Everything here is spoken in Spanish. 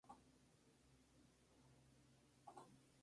Muchas de sus observaciones se hicieron con este mismo telescopio.